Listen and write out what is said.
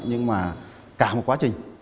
nhưng mà cả một quá trình